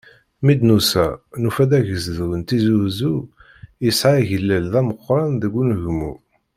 Mi d-nusa, nufa-d agezdu n Tizi Uzzu, yesɛa agellel d ameqqran deg unegmu.